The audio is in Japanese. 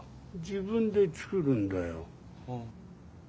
自分で作るんだよ。はあ。